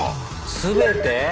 全て？